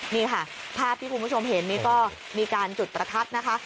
นี่ค่ะภาพที่คุณผู้ชมเห็นนี่ก็มีการจุดประทัดนะคะ